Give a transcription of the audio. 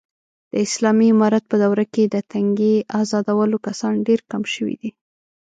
د اسالامي امارت په دوره کې، د تنگې ازادولو کسان ډېر کم شوي دي.